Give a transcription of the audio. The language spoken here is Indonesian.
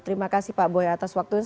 terima kasih pak boy atas waktunya